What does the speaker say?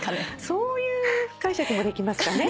そういう解釈もできますかね。